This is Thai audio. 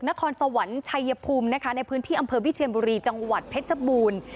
นครสวรรค์ชัยภูมินะคะในพื้นที่อำเภอวิเชียนบุรีจังหวัดเพชรบูรณ์